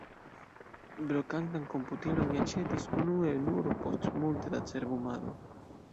Brokantan komputilon mi aĉetis unue nur post multe da cerbumado.